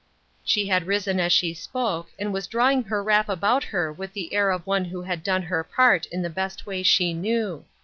She had risen as she spoke, and was drawing her wrap about her with the air of one who had done her part in the best way she knew.